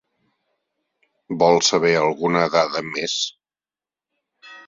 Vol saber alguna dada més?